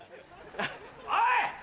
・おい！